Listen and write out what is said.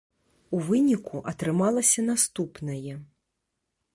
У выніку атрымалася наступнае.